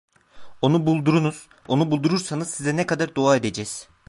Onu buldurunuz, onu buldurursanız size ne kadar dua edeceğiz…